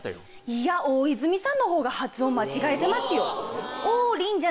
いや大泉さんの方が発音間違えてますよ。